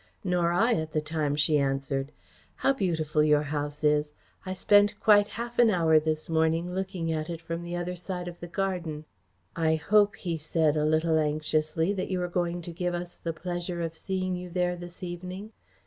"Nor I, at the time," she answered. "How beautiful your house is. I spent quite half an hour this morning looking at it from the other side of the garden." "I hope," he said, a little anxiously, "that you are going to give us the pleasure of seeing you there this evening."